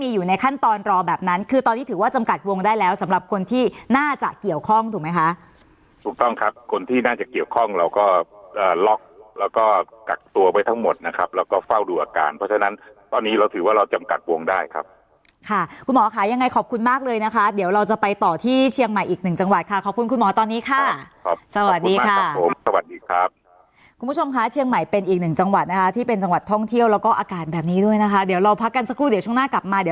อยู่ในขั้นตอนตรอแบบนั้นคือตอนนี้ถือว่าจำกัดวงได้แล้วสำหรับคนที่น่าจะเกี่ยวข้องถูกไหมคะถูกต้องครับคนที่น่าจะเกี่ยวข้องเราก็ล็อกแล้วก็กักตัวไปทั้งหมดนะครับแล้วก็เฝ้าดูอาการเพราะฉะนั้นตอนนี้เราถือว่าเราจำกัดวงได้ครับค่ะคุณหมอค่ะยังไงขอบคุณมากเลยนะคะเดี๋ยวเราจะไปต่อที่เชียงใหม่อีกหนึ